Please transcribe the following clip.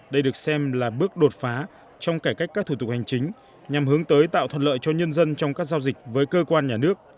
đây được xem là bước đột phá trong cải cách các thủ tục hành chính nhằm hướng tới tạo thuận lợi cho nhân dân trong các giao dịch với cơ quan nhà nước